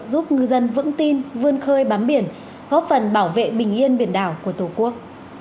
giúp ngư dân vững tin vươn khơi bám biển góp phần bảo vệ bình yên biển đảo của tổ quốc